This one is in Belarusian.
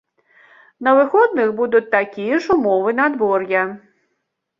На выходных будуць такія ж умовы надвор'я.